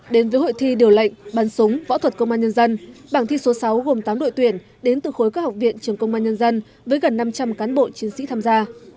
đến với hội thi điều lệnh bắn súng võ thuật công an nhân dân bảng thi số sáu gồm tám đội tuyển đến từ khối các học viện trường công an nhân dân với gần năm trăm linh cán bộ chiến sĩ tham gia